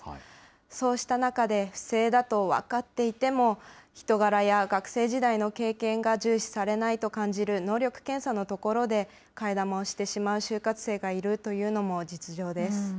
そうした中で、不正だと分かっていても、人柄や学生時代の経験が重視されないと感じる能力検査のところで、替え玉をしてしまう就活生がいるというのも実情です。